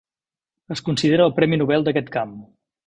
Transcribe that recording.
Es considera el premi Nobel d'aquest camp.